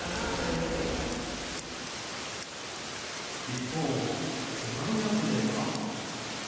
一方、世田谷区では。